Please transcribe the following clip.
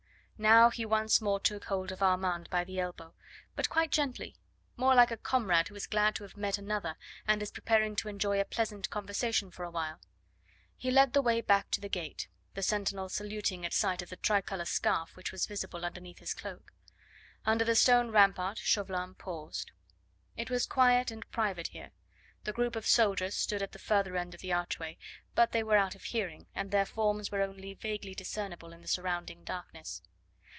Now he once more took hold of Armand by the elbow, but quite gently, more like a comrade who is glad to have met another, and is preparing to enjoy a pleasant conversation for a while. He led the way back to the gate, the sentinel saluting at sight of the tricolour scarf which was visible underneath his cloak. Under the stone rampart Chauvelin paused. It was quiet and private here. The group of soldiers stood at the further end of the archway, but they were out of hearing, and their forms were only vaguely discernible in the surrounding darkness.